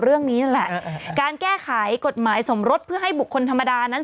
เรื่องนี้นั่นแหละการแก้ไขกฎหมายสมรสเพื่อให้บุคคลธรรมดานั้น